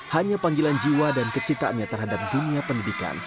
hanya panggilan jiwa dan kecitaannya terhadap dunia pendidikan